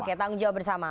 oke tanggung jawab bersama